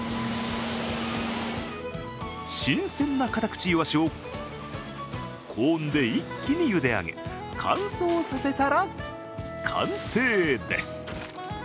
新鮮なカタクチイワシを高温で一気にゆで上げ乾燥させたら完成です。